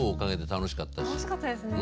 楽しかったですね。